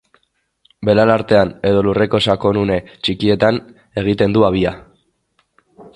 Belar artean edo lurreko sakonune txikietan egiten du habia.